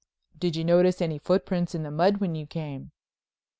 "Did you notice any footprints in the mud when you came?"